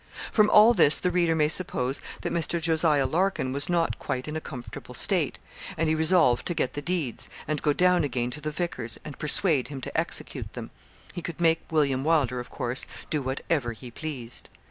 From all this the reader may suppose that Mr. Jos. Larkin was not quite in a comfortable state, and he resolved to get the deeds, and go down again to the vicar's, and persuade him to execute them. He could make William Wylder, of course, do whatever he pleased.